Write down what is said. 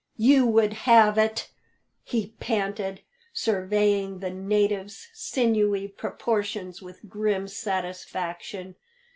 "You would have it!" he panted, surveying the native's sinewy proportions with grim satisfaction.